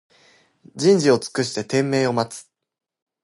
じんじをつくしててんめいをまつ